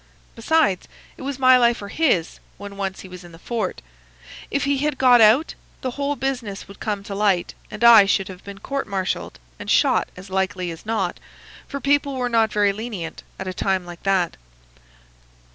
Besides, it was my life or his when once he was in the fort. If he had got out, the whole business would come to light, and I should have been court martialled and shot as likely as not; for people were not very lenient at a time like that."